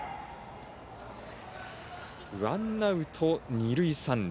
ワンアウト、二塁三塁。